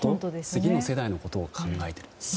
次の世代のことを考えている。